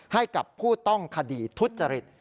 ให้กับผู้ต้องคดีทุจริต